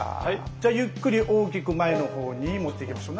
ゆっくり大きく前の方に持っていきましょう。